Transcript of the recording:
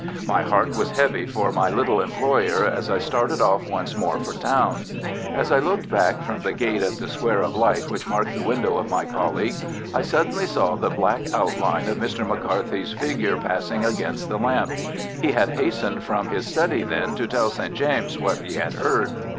My heart was heavy for my little employer as I started off once more for town. As I looked back from the gate at the square of light which marked the window of my colleague, I suddenly saw the black outline of Dr. McCarthy's figure passing against the lamp. He had hastened from his study then to tell St. James what he had heard.